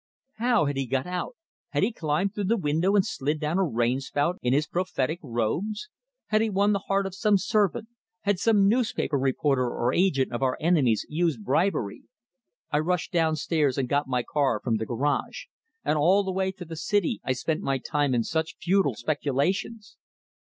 How had he got out? Had he climbed through the window and slid down a rain spout in his prophetic robes? Had he won the heart of some servant? Had some newspaper reporter or agent of our enemies used bribery? I rushed downstairs, and got my car from the garage; and all the way to the city I spent my time in such futile speculations.